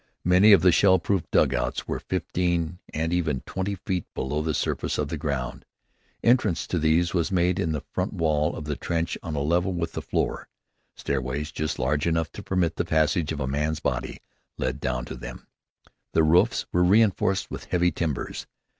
Many of the shell proof dugouts were fifteen and even twenty feet below the surface of the ground. Entrance to these was made in the front wall of the trench on a level with the floor. Stairways just large enough to permit the passage of a man's body led down to them. The roofs were reinforced with heavy timbers.